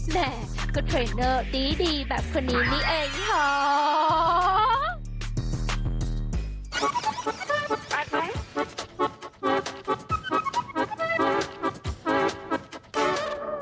แม่ก็เทรนเนอร์ดีแบบคนนี้นี่เองเถอะ